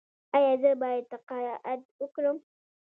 ایا زه باید تقاعد وکړم؟